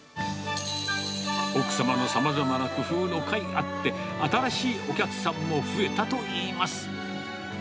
奥様のさまざまな工夫のかいあって、新しいお客さんも増えたといいます。